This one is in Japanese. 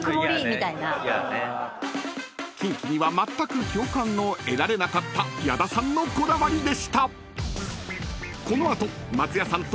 ［キンキにはまったく共感を得られなかった矢田さんのこだわりでした］